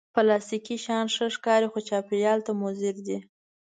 پلاستيکي شیان ښه ښکاري، خو چاپېریال ته مضر دي